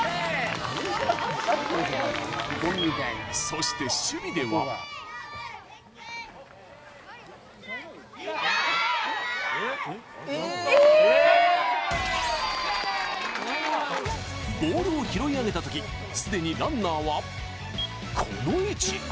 そして、守備ではボールを拾い上げたとき既にランナーはこの位置。